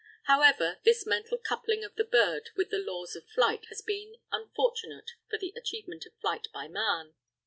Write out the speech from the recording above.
However, this mental coupling of the bird with the laws of flight has been unfortunate for the achievement of flight by man.